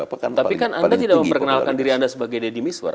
tapi kan anda tidak memperkenalkan diri anda sebagai deddy miswar